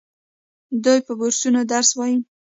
دوی په بورسونو درس وايي.